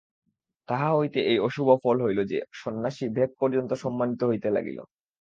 তাহা হইতে এই অশুভ ফল হইল যে, সন্ন্যাসীর ভেক পর্যন্ত সম্মানিত হইতে লাগিল।